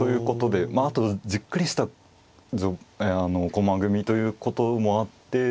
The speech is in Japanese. まああとじっくりした駒組みということもあって